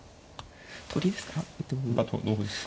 取りですか。